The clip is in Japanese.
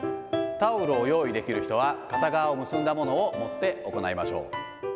タオルを用意できる人は、片側を結んだものを持って行いましょう。